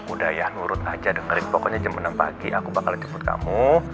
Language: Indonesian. udah ya nurut aja dengerin pokoknya jam enam pagi aku bakal jemput kamu